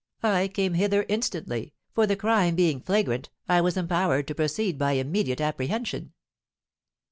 I came hither instantly, for the crime being flagrant, I was empowered to proceed by immediate apprehension."